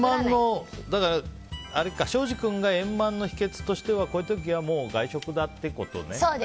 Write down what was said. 庄司君が、円満の秘訣としてはこういう時はもう、外食だってことね。